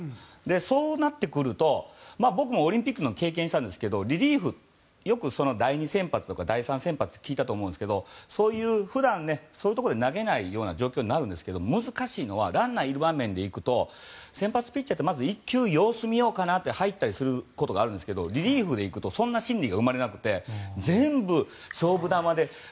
そうなってくると僕もオリンピックで経験あるんですけどリリーフ、よく第２先発とか第３先発って聞いたと思いますが普段、そういうところで投げない状況になるんですけど難しいのはランナーいる場面で行くと先発ピッチャーってまず１球、様子を見ようって入ったりしますがリリーフでいくとそんな心理が生まれなくて全部、勝負球で。